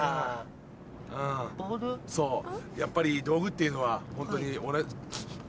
そうやっぱり道具っていうのはホントに。